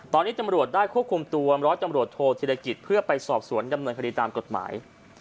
ตอนนี้ตำรวจได้ควบคุมตัวร้อยตำรวจโทษธิรกิจเพื่อไปสอบสวนดำเนินคดีตามกฎหมาย